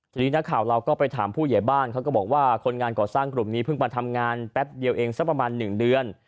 ทีนี้นักข่าวเราก็ไปถามผู้ใหญ่บ้านเขาก็บอกว่าคนงานก่อสร้างกลุ่มนี้เพิ่งมาทำงานแป๊บเดียวเองสักประมาณ๑เดือน